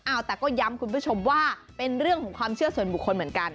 เอาแต่ก็ย้ำคุณผู้ชมว่าเป็นเรื่องของความเชื่อส่วนบุคคลเหมือนกัน